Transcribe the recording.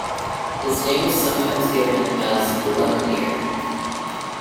His name is sometimes given as Lemonnier.